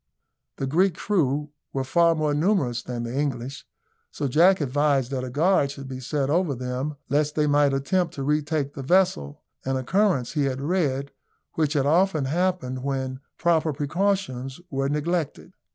The Greek crew were far more numerous than the English; so Jack advised that a guard should be set over them lest they might attempt to retake the vessel an occurrence, he had read, which had often happened when proper precautions were neglected.